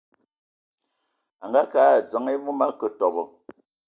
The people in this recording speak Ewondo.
A ngaake a adzəŋ e voom a akǝ tɔbɔ.